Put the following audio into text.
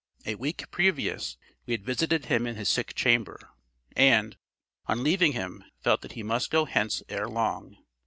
A week previous we had visited him in his sick chamber, and, on leaving him felt that he must go hence ere long.